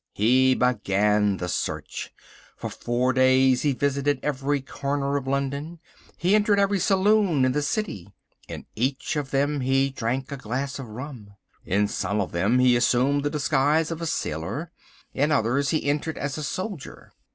He began the search. For four days he visited every corner of London. He entered every saloon in the city. In each of them he drank a glass of rum. In some of them he assumed the disguise of a sailor. In others he entered as a solider.